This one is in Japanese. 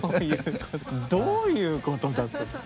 どういうことだそれ。